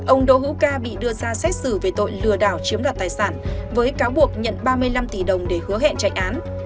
ông đỗ hữu ca bị đưa ra xét xử về tội lừa đảo chiếm đoạt tài sản với cáo buộc nhận ba mươi năm tỷ đồng để hứa hẹn chạy án